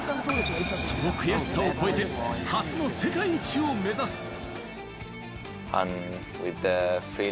その悔しさを超えて初の世界一を目指す。